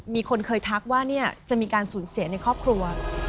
มีคนเคยทักว่าจะมีการสูญเสียในครอบครัว